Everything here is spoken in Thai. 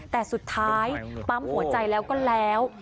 แต่สุดท้ายปั๊มหัวใจแล้วก็แล้ว